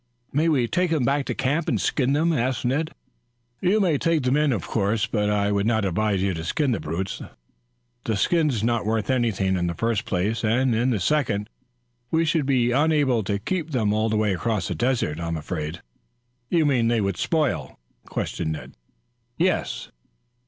"May we take them back to camp and skin them?" asked Ned. "You may take them in, of course; but I would not advise you to skin the brutes. The skins are not worth anything in the first place, and in the second, we should be unable to keep them all the way across the desert, I am afraid." "You mean they would spoil?" questioned Ned. "Yes."